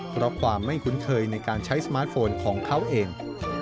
เพราะความไม่คุ้นเคยในการใช้สมาร์ทโฟนของเขาเอง